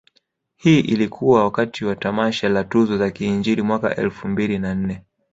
Hii ilikuwa wakati wa tamasha la tuzo za kiinjili mwaka elfu mbili na nne